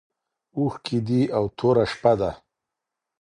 اوښکي دي او توره شپه ده